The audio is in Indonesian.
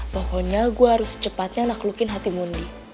pokoknya gue harus secepatnya naklukin hati muni